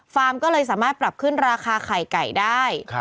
ก็เลยสามารถปรับขึ้นราคาไข่ไก่ได้